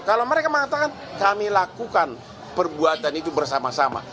kalau mereka mengatakan kami lakukan perbuatan itu bersama sama